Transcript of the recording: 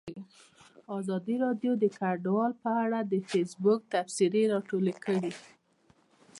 ازادي راډیو د کډوال په اړه د فیسبوک تبصرې راټولې کړي.